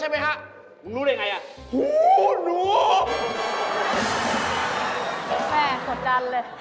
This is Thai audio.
นี่เหตุนางฟ้า